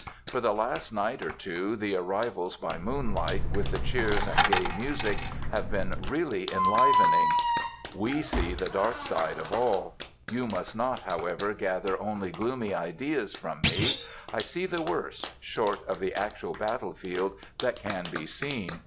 For the last night or two, the arrivals by moonlight, with the cheers and the gay music, have been really enlivening. We see the dark side of all. You must not, however, gather only gloomy ideas from me. I see the worst—short of the actual battle field—that can be seen.